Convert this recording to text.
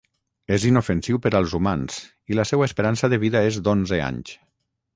És inofensiu per als humans i la seua esperança de vida és d'onze anys.